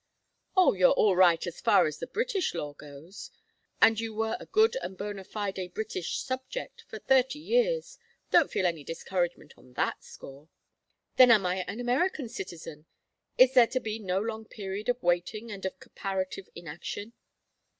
"Oh, you are all right as far as the British law goes. And you were a good and bona fide British subject for thirty years. Don't feel any discouragement on that score." "Then am I an American citizen? Is there to be no long period of waiting and of comparative inaction?"